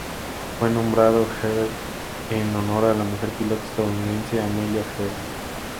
Fue nombrado Earhart en honor a la mujer piloto estadounidense Amelia Earhart.